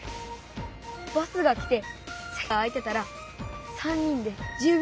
バスが来てせきが空いてたら３人で１０びょう